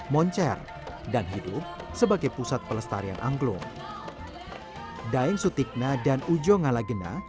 moncer dan hidup sebagai pusat pelestarian angklung daeng sutikna dan ujjo ngala gena